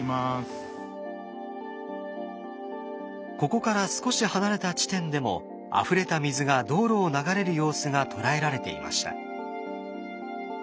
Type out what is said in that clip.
ここから少し離れた地点でもあふれた水が道路を流れる様子が捉えられていました。